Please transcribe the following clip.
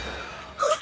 あっ！